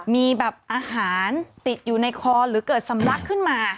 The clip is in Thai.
มีแบบอาหารติดอยู่ในคอหรือเกิดสำลักขึ้นมา